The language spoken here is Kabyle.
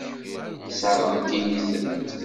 Sseṛɣent-iyi-tent.